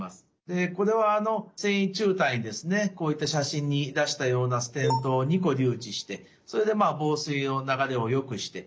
でこれは線維柱帯ですねこういった写真に出したようなステントを２個留置してそれで房水の流れをよくして。